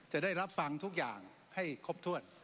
จะได้รับฟังทุกอย่างให้ครบถ้วน